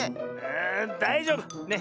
⁉だいじょうぶ。ね。